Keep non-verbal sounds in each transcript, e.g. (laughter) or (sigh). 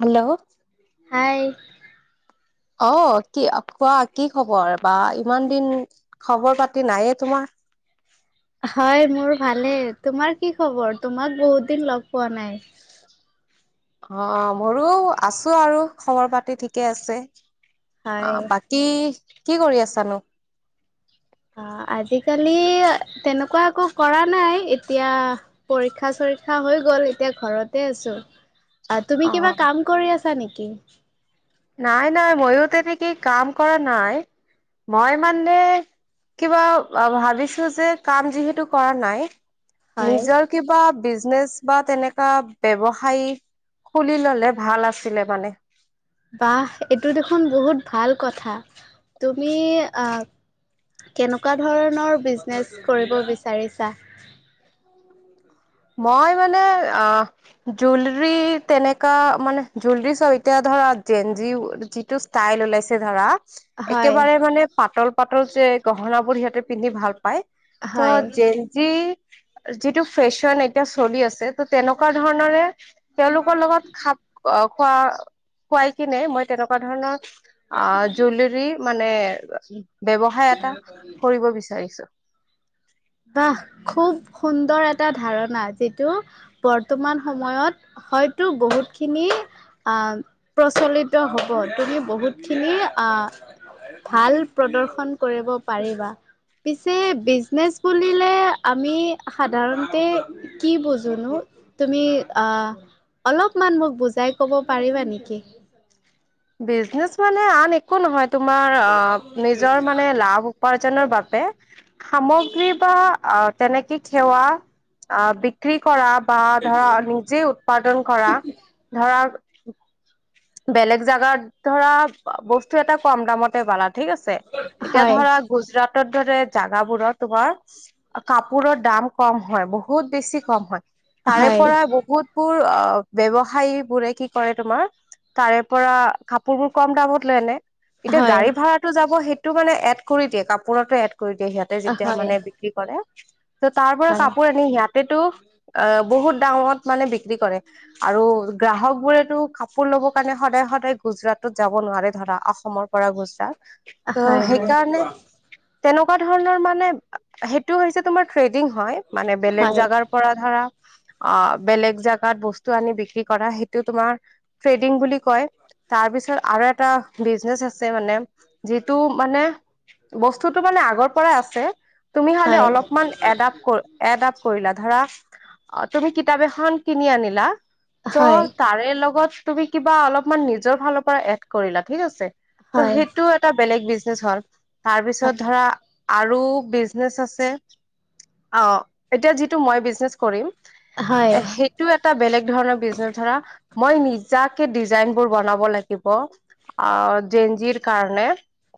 Hello, hi অ, কি খোৱা কি খবৰ? বা ইমান দিন খবৰ পাতি নাইে তোমাৰ। (inaudible) হয়, মোৰ ভালে। তোমাৰ কি খবৰ? তোমাক বহুত দিন লগ পোৱা নাই। (inaudible) অ, মোৰো আছো আৰু। খবৰ পাতি ঠিকে আছে। অ, হয় বাকী কি কৰি আছানো? অ, আজিকালি তেনেকুৱা একো কৰা নাই এতিয়া পৰীক্ষা চলি আছে। পৰীক্ষা হৈ গল। এতিয়া ঘৰতে আছো। অ, তুমি অ কিবা কাম কৰি আছা নেকি? নাই - মইো তে থাকি কাম কৰা নাই মই মানে কিবা ভাবিছো যে, কাম যিহেতু কৰা নাই। হয় নিজৰ কিবা বা তেনেকা ব্যৱসায় খুলি ললে ভাল আছিলে মানে। বাহ, এইটো দেখোন বহুত ভাল কথা তুমি। কেনেকুৱা ধৰণৰ বিজনেছ কৰিব বিচাৰিছা? মই মানে অ, জুৱেৰালী, তেনেকা মানে জুৱেলৰী চৈতি ধ। ধ যিটো ইষ্টল ওলাইছে ধৰা, হয় একেবাৰে মানে পাতল পাতৰ যে গহন বোৰ সিহঁতে পিন্ধি ভাল পায় তো হয় জেজি যিটো ফেশ্বন এতিয়া চলি আছে ত তেনেকুৱা ধৰণৰে তেওঁলোকৰ লগত খাপ আহ খোৱা খুৱাই। কিনে মই তেনেকুৱা ধৰণৰ, অ, জেলৰী মানে ব্যৱসায় এটা কৰিব বিচাৰিছো। বাহ, খুব সুন্দৰ এটা ধাৰণা যিটো বৰ্তমান সময়ত হয়তো বহুত খিনি অ, প্ৰচলিত হব তুমি বহুত খিনি ভাল প্ৰদৰ্শন কৰিব পাৰিবা। পিছে বিজনেচ খোলিলে আমি সাধাৰণতে কি বুজোঁ নো? তুমি আহ অলপমান মোক বুজাই কব পাৰিবা নেকি বিজনেচ মানে আন একো নহয় তোমাৰ অ নিজৰ মানে লাভ উপাৰ্জনৰ বাবে সামগ্ৰী বা আ তেনেকে খেৱা আ বিক্ৰী কৰা বা ধৰা নিজে উৎপাদন কৰা ধৰা বেলেগ জাগাত ধৰা বস্তু এটা কম দামতে পালা ঠিক আছে এতিয়া হয় ধৰা গুজৰাট (unintelligible) জাগাবোৰত তোমাৰ কাপোৰৰ দাম কম হয় বহুত বেছি কম হয় তাৰে হয় পৰা বহুতবোৰ ব্যৱ সায় বোৰে কি কৰে তোমাৰ তাৰে পৰা কাপোৰ বোৰ কম দামত লৈ আনে এতিয়া হয় গাড়ী ভাড়াতটো যাব সেইটো মানে এড কৰি দিয়ে কাপোৰতো এড কৰি দিয়ে সিহঁতে যেতিয়া হয় মানে বিক্ৰী কৰে ত' তাৰ পৰা হয় কাপোৰ আনি ইয়াতেতো অ বহুত দামত মানে বিক্ৰী কৰে আৰু গ্ৰাহক বোৰেতো কাপোৰ ল'ব কাৰণে সদায় - সদায় গুজৰাটত যাব নোৱাৰে ধৰা অসমৰ পৰা গুজৰাট। ত' হয় সেইকাৰণে হয় তেনেকুৱা ধৰণৰ মানে সেইটো হৈছে তোমাৰ ট্ৰেডিং হয় মানে বেলেগ হয় জাগাৰ পৰা ধৰা অ, বেলেগ জোগাত বস্তু আনি বিক্ৰী কৰা সেইটো তোমাৰ বুলি কয় তাৰ পিছত আৰু এটা বিজনেচ আছে মানে যিটো মানে বস্তুটোতো মানে আগৰ পৰাই আছে তুমি খালি হয় অলপমান এডাপ্ট এ কৰিলা ধৰা অ তুমি কিতাপ এখন কিনি আনিলা ত হয় তাৰে লগত তুমি কিবা অলপমান নিজৰ ফালৰ পৰা এড কৰিলা ঠিক আছে হয় ত' হয় সেইটো এটা বেলেগ বিজনেচ হল তাৰপিছত ধৰা আৰু বিজনেচ আছে অ এতিয়া যিটো মই বিজনেচ কৰিম হয় এ সেইটো এটা বেলেগ ধৰণৰ বিজনেচ ধৰা মই নি যাকে ডিজাইন বোৰ বনাব লাগিব অ জেঞজিৰ কাৰণে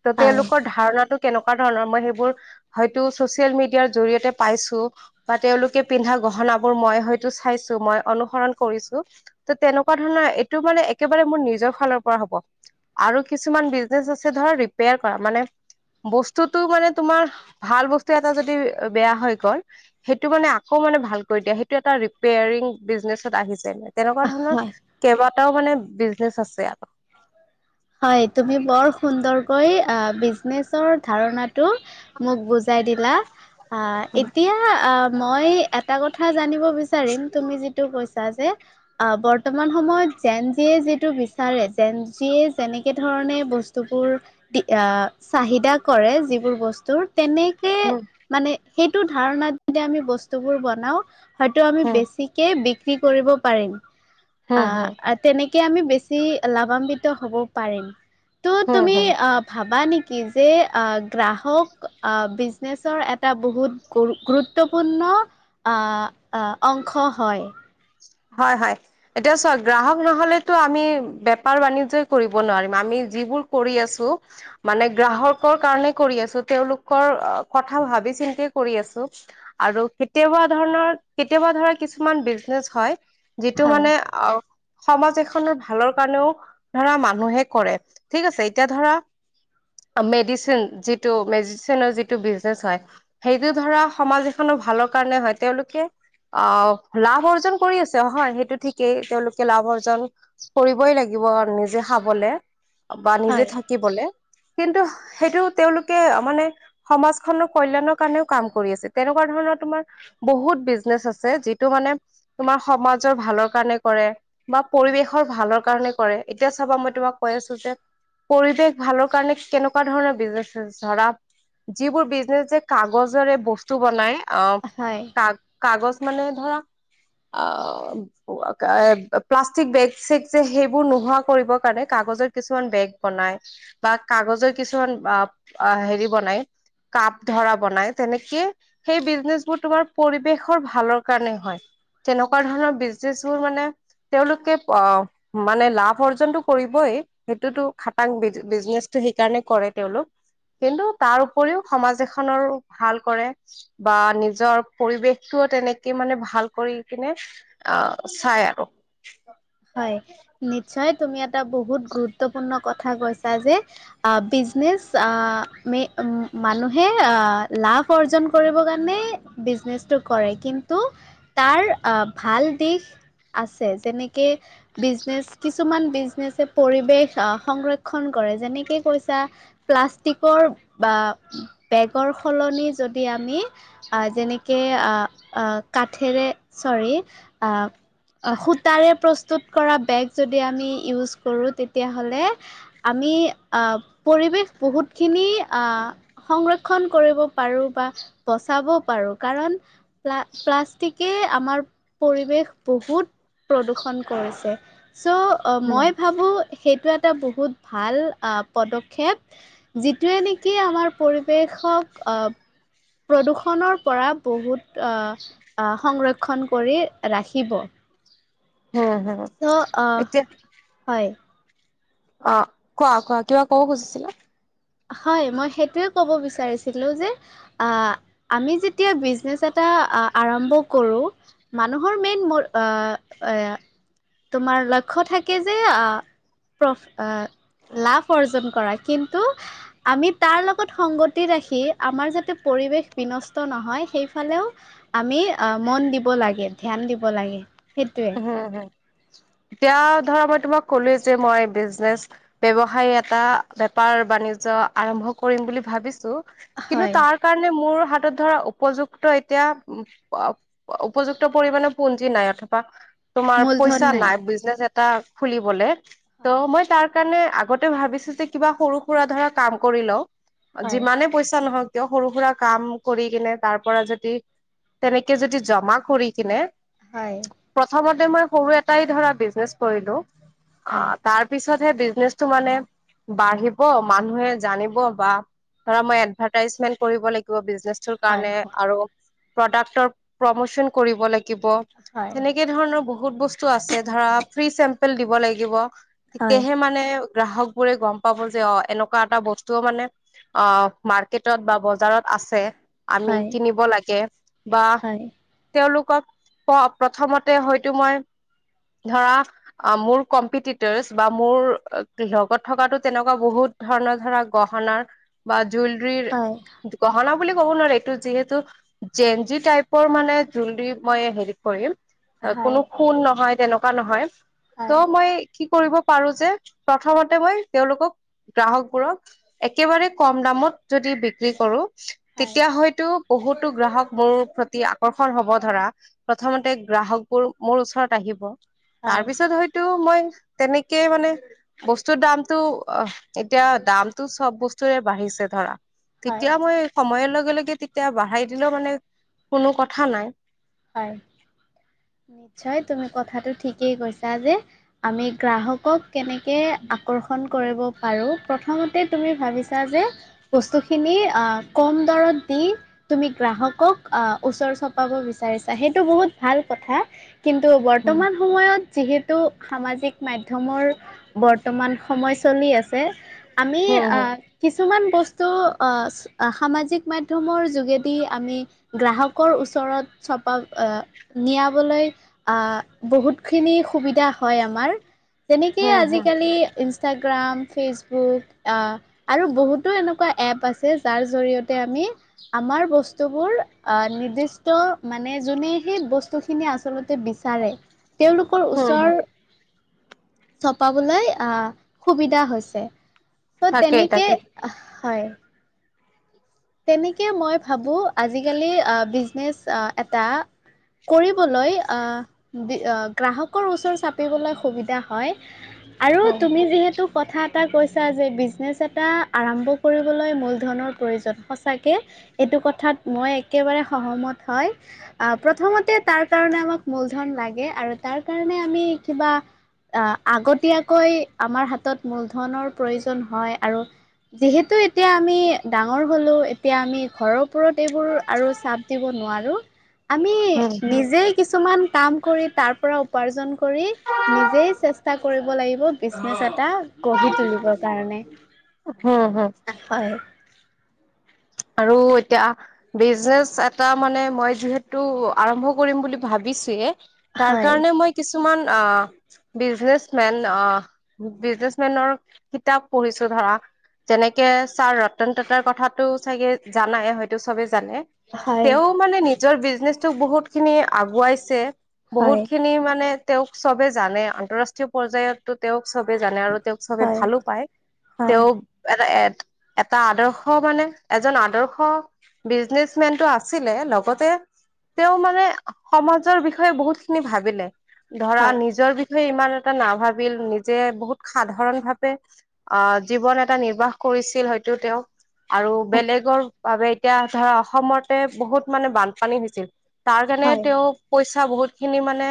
ত' হয় তেওঁলোকৰ ধাৰণাটো কেনেকুৱা ধৰণৰ মই সেইবোৰ হয়তো চচিয়েল মিডিয়াৰ জৰিয়তে পাইছো বা তেওঁলোকে পিন্ধা গহনা বোৰ মই হয়তো চাইছো মই অনুসৰণ কৰিছো তেনেকুৱা ধৰণৰ সিটো মানে একেবাৰে মোৰ নিজৰ ফালৰ পৰা হ'ব আৰু কিছুমান বিজনেছ আছে ধৰ ৰিপেয়াৰ কৰা মানে বস্তুটো মানে তোমাৰ ভাল বস্তু এটা যদি বেয়া হৈ গল সেইটো মানে আকৌ সেইটো মানে ভাল কৰি দিয়া সেইটো এটা ৰিপেয়াৰিং বিজনেছত আহিছে তে তেনেকুৱা ধৰণৰ হয় কেইবাটাও মানে বিজনেচ আছে আৰু। হয় তুমি বৰ সুন্দৰকৈ বিজনেচৰ ধাৰণাত তো মোক বুজাই দিলা আহ, এতিয়া মই এটা কথা কথা জানিব বিচাৰিম তুমি যিটো কৈছা যে আহ, বৰ্তমান সময়ত জেন জিয়ে যিটো বিচাৰে জন জিয় তেনেকৈ ধৰণে বস্তুবোৰ দি চাহিদা কৰে যিবোৰ বস্তুৰ তেনেকে হম মানে সেইটো ধাৰণাত যেয়া আমি বস্তুবোৰ বনাও। হয়তো আমি হম বেছিকে বিক্ৰী কৰিব পাৰিম হম আহ, হম তেনেক কে আমি বেছি লাভান্বিত হব পাৰিম ত' হম তুমি হম ভাবা নেকি যে গ্ৰাহক বিজনেচৰ এটা বহুত গুৰুত্ব পুৰ্ণ আহ-আহ অংশ হয়। হয়-হয় এতিয়া চোৱা গ্ৰাহক নহলেতো আমি বেপাৰ বাণিজ্যই কৰিব নোৱাৰিম আমি যিবোৰ কৰি আছোঁ মানে গ্ৰাহকৰ কাৰণেই কৰি আছোঁ তেওঁলোকৰ অ, কথা ভাবি চিন্তে কৰি আছো আৰু কেতিয়াবা ধৰণৰ কেতিয়াবা ধৰা কিছুমান বি নেছ হয় যিটো হয় মানে সমাজ এখনৰ ভালৰ কাৰণেও ধৰা মানুহে কৰে ঠিক আছে এতিয়া ধৰা অ, মেডিচিন যিটো মেডিচিনৰ যিটো বিজনেচ হয় সেইটো ধৰা সমাজ এখনত টো ভালৰ কাৰণে হয় তেওঁলোকে অ, লাভ অৰ্জ ন কৰি আছে হয় সেইটো ঠিকেই তেওঁলোকে লাভ অৰ্জন কৰিবই লাগিব নিজে খাবলে অ, বা নিজে হয় থাকিবলে। কিন্তু সেইটো তেওঁলোকে মানে সমাজ খনৰ কল্যাণৰ কাৰণেও কাম কৰি আছে তেনেকুৱা ধৰণৰ তোমাৰ বহুত বিজনেচ আছে যিটো মানে তোমাৰ সমাজৰ ভালৰ কাৰণে কৰে বা পৰিৱেশৰ ভালৰ কাৰণে কৰে এতিয়া চাবা মই তোমাক কৈ আছোঁ যে পৰিৱেশ ভালৰ কাৰণে কেনেকুৱা ধৰণৰ বিজনেছ চেন্স ধৰা যিবোৰ বিজনেচ যে কাগজৰে বস্তু বনাই অ, হয় কা - কাগজ মানে ধৰা আ অৱা কাইব প্লাষ্টিক বেগ চেগ যে সেইবোৰ নোহোৱা কৰিব কাৰণে কাগজ কিছুমান বেগ বনাই বা কাগজৰ কিছুমান অ হেৰি বনাই কাপ ধৰা বনাই তেনেকে সেই বিজনেচবোৰ তোমাৰ পৰিৱেশৰ ভালৰ কাৰণে হয়। তেনেকুৱা ধৰণৰ বিজনেচবোৰ মানে তেওঁলোকে অ মানে লাভ অৰ্জনতটো কৰিবই সেইটোতো খাটাং বিজ বিজনেচটোৱে সেইকাৰণে কৰে তেওঁলোক কিন্তু তাৰ উপৰিও সমাজ এখনৰ ভাল কৰে বা নিজৰ পৰিৱেশটো ব তেনেকে মানে ভাল কৰি কিনে অ হয় নিশ্চয় তুমি এটা বহুত গুৰুত্বপূৰ্ণ কথা কৈছা যে আ বিজনেজ আ মে মানুহে আ লা লাভ অৰ্জন কৰিবৰ কাৰণে বিজনেজটো কৰে কিন্তু তাৰ আ ভাল দি ইশ আছে যেনেকে বিজনেচ কিছুমান বিজনেছে পৰিৱেশ সংৰক্ষণ কৰে (unintelligible) অ যেনেকে অ অ কাঠেৰে চৰী অ সূতাৰে প্ৰস্তুত কৰা বেগ যদি আমি ইউজ কৰো তেতিয়া হ'লে আমি আ পৰিৱেশ বহুতখিনি আ সংৰক্ষণ কৰিব পাৰো বা বচাব পাৰো কাৰণ প্লা প্লাষ্টিকে আমাৰ পৰিৱেশ বহুত প্ৰদূষণ কৰিছে চ উম, মই ভাবো সেইটোৱে এটা বহুত ভাল আ পদক্ষেপ যিটোৱে নেকি আমাৰ পৰিৱেশ শক অব প্ৰদূৰষণৰ পৰা বহুত আহ সংৰক্ষণ কৰি ৰাখ (unintelligible) হ হ চ' আহ এতিয়া হয় অ কোৱা কোৱা কিবা কব খুজিছিলা? হয় মই সেইটোৱে ক'ব বিচাৰিছিলো যে আ আমি যেতিয়া বিজনেজ এটা হা আ আৰম্ভ কৰো মানুহৰ মেইন মোৰ আ এ তোমাৰ লক্ষ্য থাকে যে আহ প্ৰফ লাভ অৰ্জন কৰা কিন্তু আমি তাৰ লগত সংগতি ৰাখি আমাৰ যাতে পৰিৱেশ বিনষ্ট নহয় সেইফালে, আমি আহ মন দিব লাগে ধ্যান দিব লাগে। সেইটোৱে হুম হুম। (inaudible) এতিয়া ধৰা মই তোমাক ক'লোৱে যে মই বিজনেচ ব্যৱসায় এটা বেপাৰ বাণিজয়। আৰম্ভ কৰিম বুলি ভাবিছো কিন্তু হয় তাৰ কাৰে মোৰ। হাতত ধৰা উপযুক্ত এতিয়া উপযুক্ত পৰিমণৰ পুঞ্জি নাই অথ তোমাৰ পইচা নাই বিজনেচ এটা খুলিবলে ত হয় মই তাৰ, কাৰণে আগতে ভাবিছো যে কিবা সৰু সুৰা ধৰা কাম কৰি লও হয় যিমানে পইচা নহক, ক সৰু সুৰা কাম কৰি কিনে তাৰ পৰা যদি তেনেকে যদি জমা কৰি কিনে। হয় প্ৰথমতে মই সৰু এটাই ধৰা বিজনেছ কৰিলো। হয় আহ, তাৰপিছত সেই বিজনেচটো মানে বাঢ়িব মানুহে জানিব বা ধৰা মই এডভাৰটাইজমেন্ট কৰিব লাগিব বিছ নেছটোৰ হয় কাৰণে আৰু প্ৰডাক্টৰ প্ৰমোচন কৰিব লাগিব। হয় তেনেকে ধৰণৰ বহুত বস্তু আছে, ধৰা ফ্ৰী চেম্পল দিব লাগিব। হয় তেতিয়াহে মানে গ্ৰাহক বোৰে গম পাব যে অ, এনেকুৱা এটা বস্তুও মানে অ, মাৰ্কেটত বা বজাৰত আছে আমি হয় কিনিব লাগে বা হয় তেওলোকক পপ প্ৰথমতে হয়তো মই ধৰা মোৰ কম্পিটিটৰচ বা মোৰ লগত থকাতো যেনেকুৱা বহুত ধৰণৰ ধৰা গহনাৰ বা জুলৰীৰ হয় গহ বুলি ক'ব নোৱাৰি, এইটো যিহেতু জেনজি টাইপৰ মানে জুলৰী মই হেৰি কৰিম। কোনো হয় খুণ নহয়, তেনেকুৱা নহয়। হয় ত মই কি কৰিব পাৰো যে, প্ৰথমতে মই তেওঁলোকক গ্ৰাহকবোৰক, একেবাৰে কম দামত যদি বিক্ৰী কৰো হয় তেতিয়া হয়তো বহুতো গ্ৰাহক মোৰ প্ৰতি আকৰ্ষণ হব ধৰা। প্ৰথমতে গ্ৰাহকবোৰ মোৰ ওচৰত আহিব। হয় তাৰপিছত হয়তো মই তেনেকেই মানে বস্তুৰ দামটো, অ', এতিয়া দামটো চব বস্তুৰে বাঢ়িছে। ছে ধৰা। হয় তেতিয়া মই সময়ৰ লগে লগে তেতিয়া বঢ়াই দিলেও মানে কোনো কথা নাই। হয়। নিশ্চয় তুমি কথাটো ঠিকেই কৈছা যে, আমি গ্ৰাহকক কেনেকে আকৰ্ষণ কৰিব পাৰো। প্ৰথমতে তুমি ভাবিছা যে বস্তুখিনি কম দৰত দি তুমি গ্ৰাহকক ওচৰ চপাব বি ছা, সেইটো বহুত ভাল কথা, কিন্তু উম বৰ্তমান সময়ত যিহেতু সামাজিক মাধ্যমৰ বৰ্তমান সময় চলি আছে। আমি উম অ হুম কিছুমান বস্তু স্তো অহ, সামাজিক মাধ্যমৰ যোগেদি আমি গ্ৰাহকৰ ওচৰত চপা নিয়াবলৈ বহুতখিনি সুবিধা হয় আমাৰ। তেনেকেই হুম হুম আজিকালি। ইনষ্টাগ্ৰাম, ফেচবুক আৰু বহুতো এনেকুৱা এপ আছে, যাৰ জৰিয়তে আমি আমাৰ বস্তুবোৰ নিৰ্দিষ্ট মানে যোনে সেই বস্তুখিনি আচলতে বিচাৰে, তেওঁলোকৰ হুম হুম ওচৰ চপাবলৈ, অহ, সুবিধা হৈছে। ত' তাকেই তেনেকেই, তাকে হয়। তেনেকেই মই ভাবো, আজিকালি বিজনেচ এটা কৰিবলৈ, অহ, গ্ৰাহকৰ ওচৰ চাপিবলৈ সুবিধা হয়। আৰু উম তুমি যিহেতু কথা এটা কৈছা যে, বিজনেছ এটা আৰম্ভ কৰিবলৈ মূলধনৰ প্ৰয়োজন। সচাকে, এইটো কথাত মই একেবাৰে সহমত হয়। প্ৰথমতে তাৰ কাৰ আমাক মূলধন লাগে আৰু তাৰ কাৰণে আমি কিবা অহ, আগতীয়াকৈ আমাৰ হাতত মূলধনৰ প্ৰয়োজন হয় আৰু। যিহেতু এতিয়া আমি ডাঙৰ হ'লো। এতিয়া আমি ঘৰৰ ওপৰত এইবোৰ আৰু চাপ দিব নোৱাৰো। আমি হম নিজেই কিছুমান কাম কৰি, তাৰ পৰা উপাৰ্জন কৰি, নিজেই চেষ্টা কৰিব লাগিব। বিজনেচ এটা গঢ়ি তুলিবৰ কাৰণে। হম হম। হয়, আৰু এতিয়া বিজনেচ এটা মানে, মই যিহেতু আৰম্ভ কৰিম বুলি ভাবিছোৱেই তাৰ হয়, কাৰণে মই কিছুমান অ বিজনেচ মেন অ বিজনেচ মেনৰ কিতাপ পঢ়িছো ধৰা। যেনেকে ছাৰ ৰতন টাটাৰ কথাটো- চাগে জানাই হয়তো চবে জানে হয়, তেওঁ মানে নিজৰ- নে বহুত খিনি আগুৱাইছে বহুত হয়, খিনি মানে- তেওঁক চবে জানে আন্তঃৰাষ্ট্ৰীয় পৰ্যয়ায়তো তেওঁক- চবে জানে আৰু তেওঁক চবে হয়, ভালো পায় হয়, তেওঁ এটা এ- এটা আদৰ্শ মানে- এজন আদৰ্শ বিজনেচমেন টো আছিলে লগতে- তেওঁ মানে সমাজৰ বিষয়ে বহুত খিনি ভাবিলে ধৰা হয়। নিজৰ বিষয়ে - ইমান এটা নাভাবিল নিজে বহুত সাধাৰণ ভাৱে অ জীৱন এটা নিৰ্বাহ কৰি- কৰিছিল হয়তো তেওঁ- (inaudible) আৰু বেলেগৰ বাবে এতিয়া ধৰা অসমতে বহুত মানে বানপানী হৈছিল- তাৰ কাৰণে হয়, তেওঁ পইচা বহুত খিনি মানে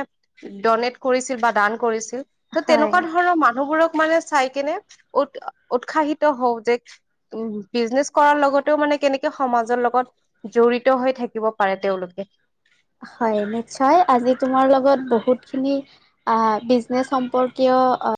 ড'নেট কৰিছিল বা দান কৰিছিল- ত হয়, তেনেকুৱা ধৰণৰ মানুহবোৰক- মানে চাই কেনে উ উৎসাহিত হওঁ যে উম যে বিজিনেছ। কৰাৰ লগতেও মানে কেনেকে সমাজৰ লগত জড়িত হৈ থাকিব পাৰে তেওঁলোকে- হয় নিশ্চয়, আজি তোমাৰ লগত বহুত খিনি আহ বিজনেজ সম্পৰ্কীয় - অ অ।